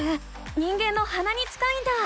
人間のはなに近いんだ！